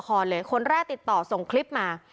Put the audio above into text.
เลยคนแรกติดต่อส่งคลิปมา